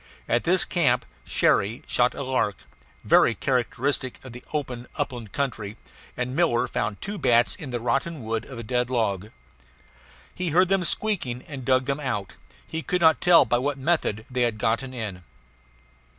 At this camp Cherrie shot a lark, very characteristic of the open upland country, and Miller found two bats in the rotten wood of a dead log. He heard them squeaking and dug them out; he could not tell by what method they had gotten in.